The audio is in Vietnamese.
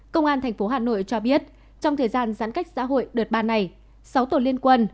công an tp hà nội cho biết trong thời gian giãn cách xã hội đợt ba này sáu tổ liên quân